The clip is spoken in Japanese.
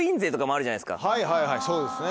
はいはいはいそうですね。